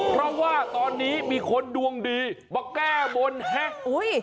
เพราะว่าตอนนี้มีคนดวงดีมาแก้บนแฮะอุ้ย